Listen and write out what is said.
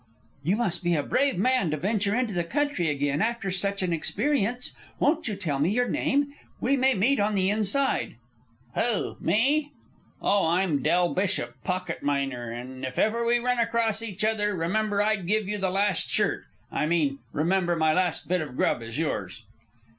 "You must be a brave man to venture into the country again after such an experience. Won't you tell me your name? We may meet on the Inside." "Who? Me? Oh, I'm Del Bishop, pocket miner; and if ever we run across each other, remember I'd give you the last shirt I mean, remember my last bit of grub is yours."